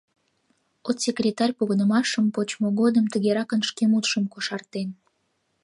Отсекретарь погынымашым почмо годым тыгеракын шке мутшым кошартен: